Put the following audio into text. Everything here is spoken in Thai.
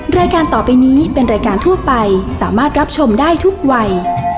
รายการต่อไปนี้เป็นรายการทั่วไปสามารถรับชมได้ทุกวัย